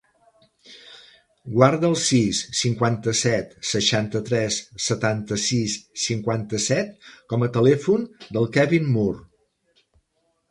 Guarda el sis, cinquanta-set, seixanta-tres, setanta-sis, cinquanta-set com a telèfon del Kevin Moore.